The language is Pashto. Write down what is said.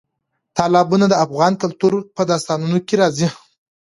تالابونه د افغان کلتور په داستانونو کې راځي.